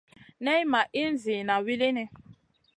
Nay ma ihn ziyna wulini.